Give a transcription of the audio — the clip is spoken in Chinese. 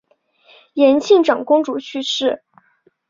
延庆长公主去世。